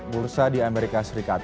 bursa di amerika serikat